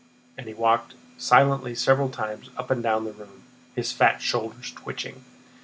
And he walked silently several times up and down the room, his fat shoulders twitching.